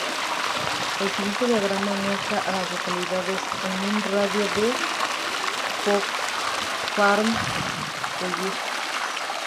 El siguiente diagrama muestra a las localidades en un radio de de Fox Farm-College.